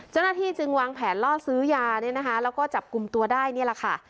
เจ้าหน้าที่จึงวางแผนล่อซื้อยาเนี่ยนะคะแล้วก็จับกลุ่มตัวได้นี่แหละค่ะ